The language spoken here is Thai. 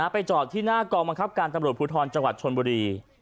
ไปจอดที่หน้ากองบังคับการตำรวจภูทรจังหวัดชนบุรี